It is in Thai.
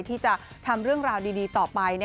ที่จะทำเรื่องราวดีต่อไป